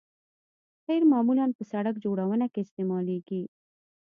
قیر معمولاً په سرک جوړونه کې استعمالیږي